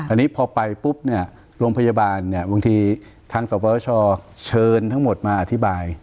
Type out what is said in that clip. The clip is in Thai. อันนี้พอไปปุ๊บเนี่ยโรงพยาบาลเนี่ยบางทีทางสวชเชิญทั้งหมดมาอธิบาย